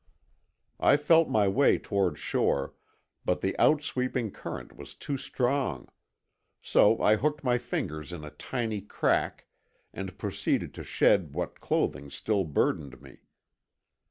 I felt my way toward shore, but the out sweeping current was too strong. So I hooked my fingers in a tiny crack and proceeded to shed what clothing still burdened me.